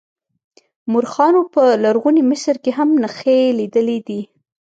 مورخانو په لرغوني مصر کې هم نښې لیدلې دي.